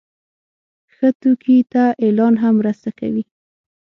ښه توکي ته اعلان هم مرسته کوي.